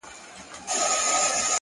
زړه لکه هينداره ښيښې گلي ـ